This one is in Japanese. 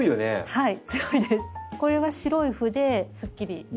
はい。